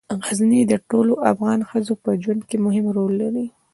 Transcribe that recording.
غزني د ټولو افغان ښځو په ژوند کې مهم رول لري.